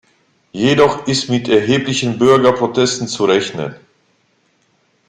Jedoch ist mit erheblichen Bürgerprotesten zu rechnen.